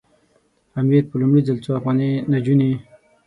امیر په لومړي ځل څو افغاني نجونې.